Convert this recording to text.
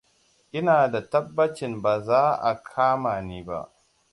Ina da tabbacin ba za a kamani ba.